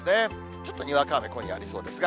ちょっとにわか雨、今夜ありそうですが。